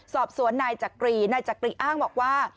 สอบสวนนายจักรีนายจักรีอ้างบอกว่า